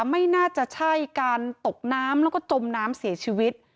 ไม่น่าจะใช่การตกน้ำแล้วก็จมน้ำเสียชีวิต